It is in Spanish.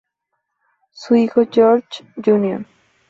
Su hijo George, Jr.